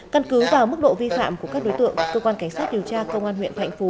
căn cứ vào mức độ vi phạm của các đối tượng cơ quan cảnh sát điều tra công an huyện thạnh phú